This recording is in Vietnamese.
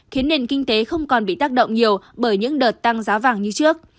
khiến nền kinh tế không còn bị tác động nhiều bởi những đợt tăng giá vàng như trước